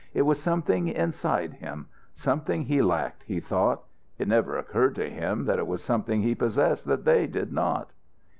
It was something inside him something he lacked, he thought. It never occurred to him that it was something he possessed that they did not.